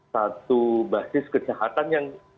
satu basis kejahatan yang tidak semata mata